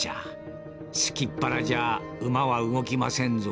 すきっ腹じゃ馬は動きませんぞ」。